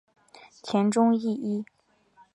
田中义一。